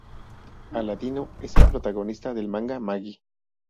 Aladino es el protagonista del manga "Magi".